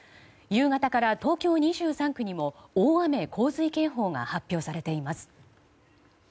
夕方から東京２３区にも大雨・洪水警報が発表されています。